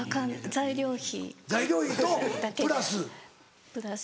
材料費とプラス？